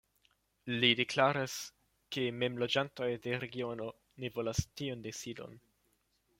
Li deklaris ke mem loĝantoj de regiono ne volas tiun decidon.